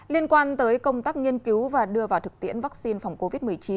liên quan tới công tác nghiên cứu và đưa vào thực tiễn vaccine phòng covid một mươi chín